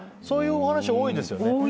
そういうお話多いですよね。